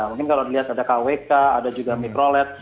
mungkin kalau dilihat ada kwk ada juga mikrolet